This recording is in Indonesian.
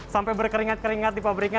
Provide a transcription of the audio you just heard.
sampai berkeringat keringat di pabriknya